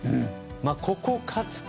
ここを勝つと。